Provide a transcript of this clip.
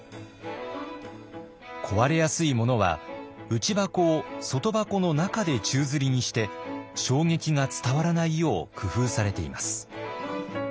壊れやすいものは内箱を外箱の中で宙づりにして衝撃が伝わらないよう工夫されています。